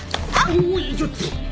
おいちょっと。